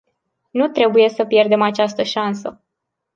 Nu trebuie să pierdem această șansă.